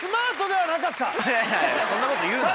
いやいやそんなこと言うな。